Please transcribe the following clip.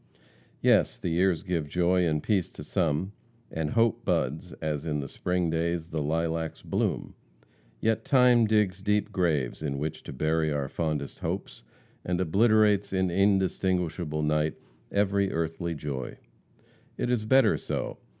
Yes, the years give joy and peace to some, and hope buds, as in the spring days the lilacs bloom. Yet time digs deep graves in which to bury our fondest hopes, and obliterates in indistinguishable night every earthly joy. It is better so.